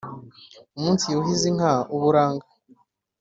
umunsi yuhiza inka uburanga